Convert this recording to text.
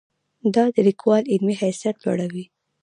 دا د لیکوال علمي حیثیت لوړوي.